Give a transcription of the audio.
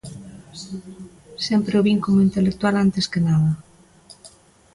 Sempre o vin como intelectual antes que nada.